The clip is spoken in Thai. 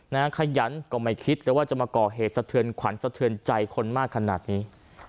ขยันก็ไม่คิดเลยว่าจะมาก่อเหตุสะเทือนขวัญสะเทือนใจคนมากขนาดนี้